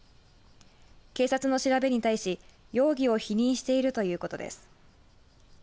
警察の調べに対し容疑を否認しているということです。